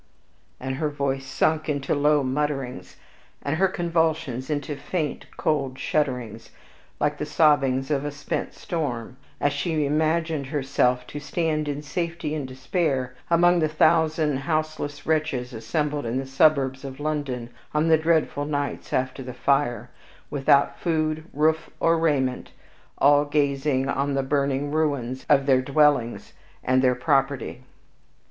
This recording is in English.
and her voice sunk into low mutterings, and her convulsions into faint, cold shudderings, like the sobbings of a spent storm, as she imagined herself to "stand in safety and despair," amid the thousand houseless wretches assembled in the suburbs of London on the dreadful nights after the fire, without food, roof, or raiment, all gazing on the burning ruins of their dwellings and their property.